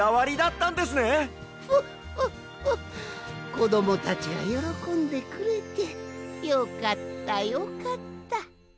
こどもたちがよろこんでくれてよかったよかった。